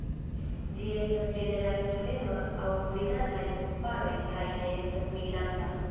Ĝi estas ĝenerale solema aŭ vidata en paroj kaj ne estas migranta.